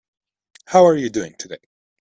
How are you doing today?